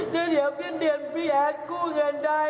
เดี๋ยวเดี๋ยวพืชเดือนพิแอร์กู้เงินได้